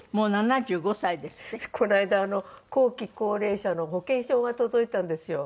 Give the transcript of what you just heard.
この間後期高齢者の保険証が届いたんですよ。